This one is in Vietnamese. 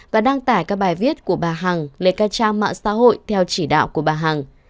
và đăng tải các bài viết của bà hằng lên các trang mạng xã hội theo chỉ đạo của bà hằng